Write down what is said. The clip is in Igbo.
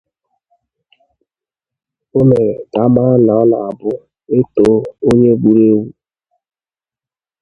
O mere ka a mara na ọ na-abụ e tòó onye gburu ewu